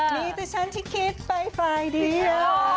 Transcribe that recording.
มีแต่ฉันที่คิดไปฝ่ายเดียว